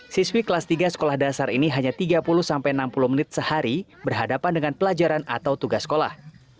siswi kelas tiga sekolah dasar ini hanya tiga puluh sampai enam puluh menit sehari berhadapan dengan pelajaran atau tugas sekolah